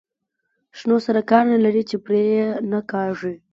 شنو سره کار نه لري چې پرې یې نه کاږي.